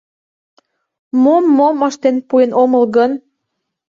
Мом-мом ыштен пуэн омыл гын?